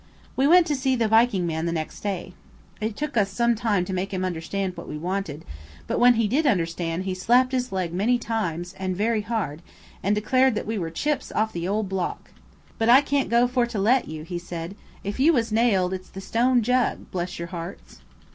We went to see the Viking man the next day. It took us some time to make him understand what we wanted, but when he did understand he slapped his leg many times, and very hard, and declared that we were chips off the old block. "But I can't go for to let you," he said; "if you was nailed it's the stone jug, bless your hearts."